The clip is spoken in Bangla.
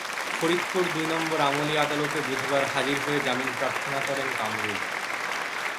ফরিদপুর দুই নম্বর আমলি আদালতে বুধবার হাজির হয়ে জামিন প্রার্থনা করেন কামরুল।